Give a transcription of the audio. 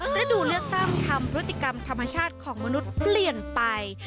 ฤดูเลือกตั้งทำพฤติกรรมธรรมชาติของมนุษย์เปลี่ยนไป